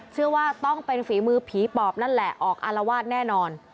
เชื่อว่าต้องเป็นฝีมือผีปอบนั่นแหละออกอารวาสแน่นอน